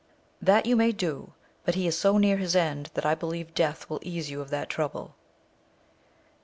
— That you may do, but he is so near his end, that I believe death will ease you of that trouble.